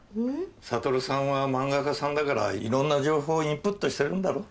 悟さんは漫画家さんだからいろんな情報インプットしてるんだろ？